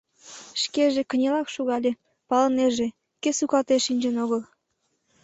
Шкеже кынелак шогале — палынеже, кӧ сукалтен шинчын огыл.